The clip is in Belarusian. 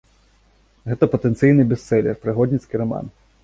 Гэта патэнцыйны бэстселер, прыгодніцкі раман.